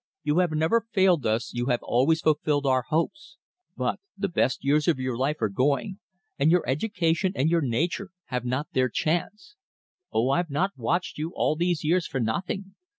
You have never failed us you have always fulfilled our hopes. But the best years of your life are going, and your education and your nature have not their chance. Oh, I've not watched you all these years for nothing.